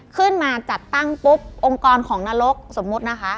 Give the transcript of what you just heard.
ขึ้นมาจัดตั้งปุ๊บองค์กรของนรกสมมุตินะคะ